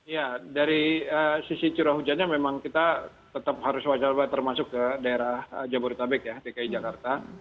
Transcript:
ya dari sisi curah hujannya memang kita tetap harus wajar termasuk ke daerah jabodetabek ya dki jakarta